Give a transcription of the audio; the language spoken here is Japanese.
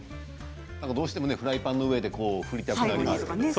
どうしてもねフライパンの上で振りたくなりますけど。